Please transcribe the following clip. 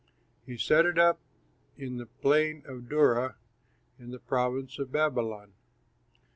He set it up in the plain of Dura, in the province of Babylon.